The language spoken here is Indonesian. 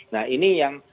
nah ini yang